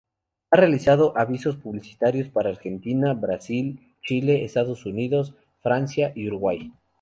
Ha realizado avisos publicitarios para Argentina, Brasil, Chile, Estados Unidos, Francia y Uruguay.